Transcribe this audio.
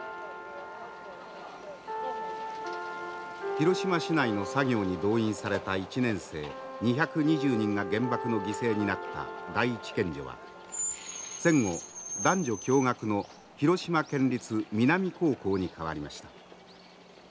広島市内の作業に動員された１年生２２０人が原爆の犠牲になった第一県女は戦後男女共学の広島県立皆実高校に変わりました。